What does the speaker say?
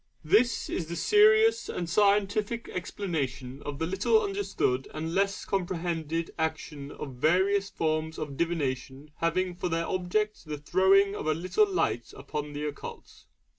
This is the serious and scientific explanation of the little understood and less comprehended action of various forms of divination having for their object the throwing of a little light upon the occult.